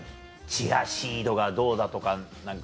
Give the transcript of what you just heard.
チアシードがどうだとか何か。